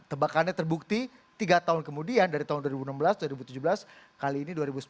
tebakannya terbukti tiga tahun kemudian dari tahun dua ribu enam belas dua ribu tujuh belas kali ini dua ribu sembilan belas